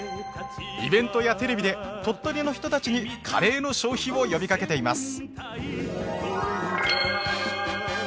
イベントやテレビで鳥取の人たちにカレーの消費を呼びかけています。